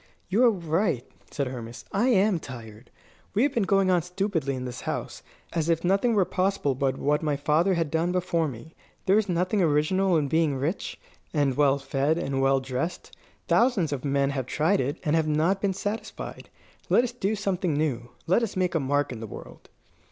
"You are right," said Hermas. "I am tired. We have been going on stupidly in this house, as if nothing were possible but what my father had done before me. There is nothing original in being rich, and well fed, and well dressed. Thousands of men have tried it, and have not been satisfied. Let us do something new. Let us make a mark in the world."